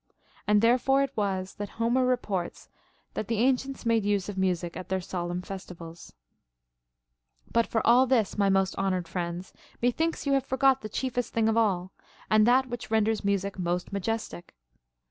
And therefore it was that Homer reports that the ancients made use of music at their solemn festi vals. 44. But for all this, my most honored friends, methinks you have forgot the chiefest thing of all, and that which renders music most majestic.